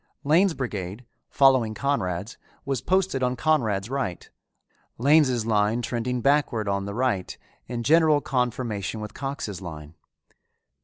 Lane's brigade, following Conrad's, was posted on Conrad's right, Lane's line trending backward on the right in general conformation with Cox's line.